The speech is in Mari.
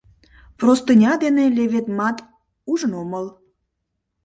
Простыня дене леведмат, ужын омыл.